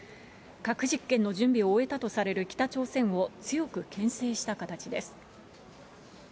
核実験の準備を終えたとされる北朝鮮を強くけん制した形です。